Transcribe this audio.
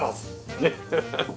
ねっ。